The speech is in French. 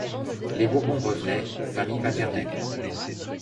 Les Bourbons revenaient, famille paternelle ;